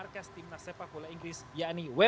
tim nasepa kulai inggris yanni wem